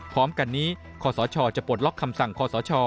พร้อมกันนี้คศจะปลดล็อกคำสั่งคอสช